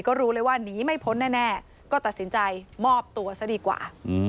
ก็รู้เลยว่าหนีไม่พ้นแน่ก็ตัดสินใจมอบตัวซะดีกว่า